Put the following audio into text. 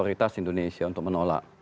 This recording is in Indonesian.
otoritas indonesia untuk menolak